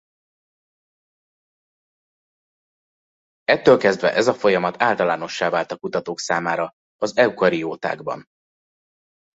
Ettől kezdve ez a folyamat általánossá vált a kutatók számára az eukariótákban.